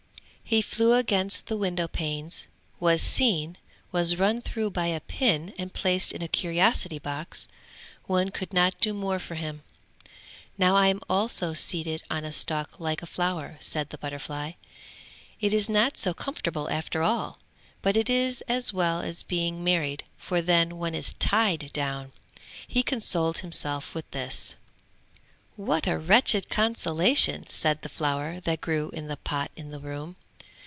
He flew against the window panes, was seen, was run through by a pin and placed in a curiosity box; one could not do more for him. "Now I also am seated on a stalk like a flower," said the butterfly, "it is not so comfortable after all! But it is as well as being married, for then one is tied down!" He consoled himself with this. "What a wretched consolation!" said the flower, that grew in the pot in the room.